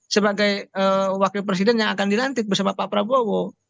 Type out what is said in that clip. sebagai wakil presiden yang akan dilantik bersama pak prabowo